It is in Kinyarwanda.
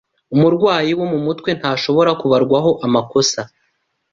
umurwayi wo mu mutwe ntashobora kubarwaho amakosa